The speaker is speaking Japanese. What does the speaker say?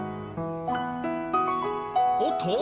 おっと？